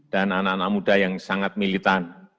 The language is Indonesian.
dan anak anak muda yang sangat militan